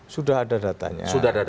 sudah ada datanya